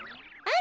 あ。